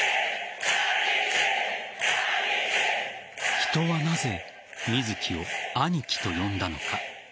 人はなぜ水木をアニキと呼んだのか。